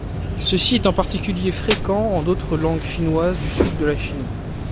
Ceci est en particulier fréquent en d'autres langues chinoises du sud de la Chine.